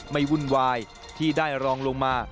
วุ่นวายที่ได้รองลงมา